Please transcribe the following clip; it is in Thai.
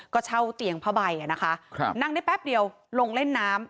ก็เช่าเตียงผ้าใบนะคะนั่งได้แป๊บเดียวลงเล่นน้ำ